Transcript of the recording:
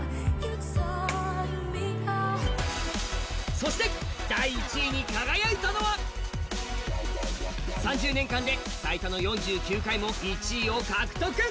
そして第１位に輝いたのは、３０年間で最多の４９回も１位を獲得。